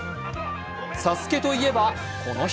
「ＳＡＳＵＫＥ」といえばこの人。